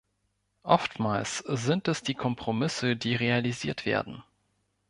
Oftmals sind es die Kompromisse, die realisiert werden.